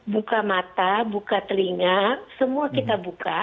buka mata buka telinga semua kita buka